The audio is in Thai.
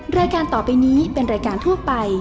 รายการต่อไปนี้เป็นรายการทั่วไป